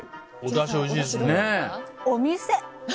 お店！